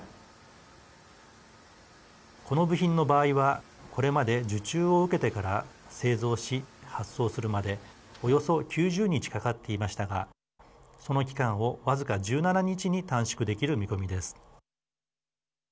この部品の場合はこれまで受注を受けてから製造し発送するまでおよそ９０日かかっていましたがその期間を僅か１７日に短縮できる見込みです。